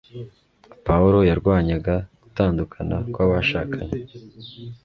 pawulo yarwanyaga gutandukana kw'abashakanye